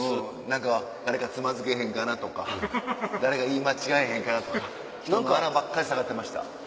何か誰かつまずけへんかなとか誰か言い間違えへんかなとかひとのあらばっかり探してました。